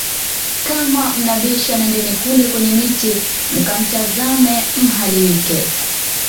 Kama mnabisha nendeni kule kwenye miti mkamtazame Mhalwike